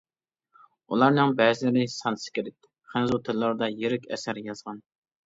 ئۇلارنىڭ بەزىلىرى سانسكرىت، خەنزۇ تىللىرىدا يىرىك ئەسەر يازغان.